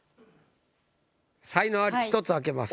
才能アリ１つ開けます。